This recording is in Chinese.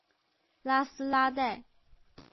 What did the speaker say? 拉斯拉代。